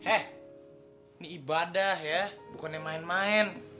eh ini ibadah ya bukannya main main